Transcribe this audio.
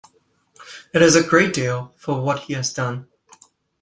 It's a great deal for what he has done.